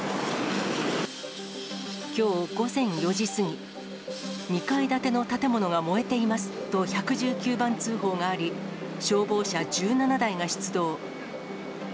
きょう午前４時過ぎ、２階建ての建物が燃えていますと１１９番通報があり、消防車１７台が出動。